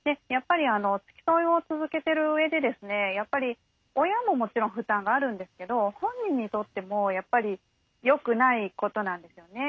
付き添いを続けている上でやっぱり親ももちろん負担があるんですけど本人にとってもやっぱりよくないことなんですよね。